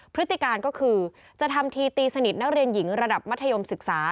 พฤติการก็คือจะทำทีตีสนิทนักเรียนหญิงระดับมัธยมศึกษา